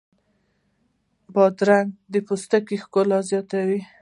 بادرنګ د پوستکي ښکلا زیاتوي.